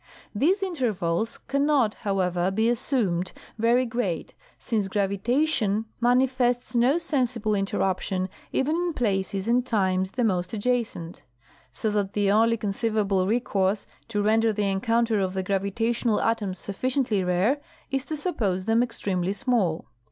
These intervals can not, however, be assumed very great since gravitation manifests no sensible interruption even in places 'and times the most adjacent; so that the only conceivable recourse to render the encounter of the gravitational atoms sufficiently rare is to Suppose them extremely small.